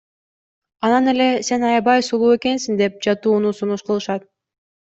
Анан эле Сен аябай сулуу экенсиң деп жатууну сунуш кылышат.